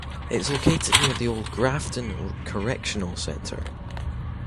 It is located near the old Grafton Correctional Centre.